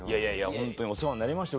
ホントにお世話になりまして。